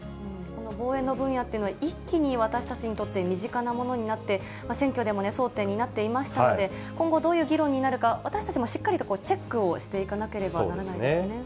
この防衛の分野っていうのは、一気に私たちにとって身近なものになって、選挙でも争点になっていましたので、今後どういう議論になるか、私たちもしっかりとチェックをしていかなければならないですね。